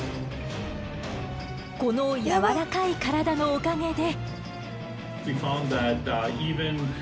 この柔らかい体のおかげで。